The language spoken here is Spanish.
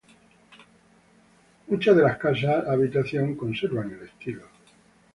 Muchas de las casas habitación conservan el estilo.